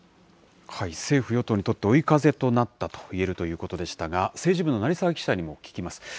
政府・与党にとって、追い風となったといえるということでしたが、政治部の成澤記者にも聞きます。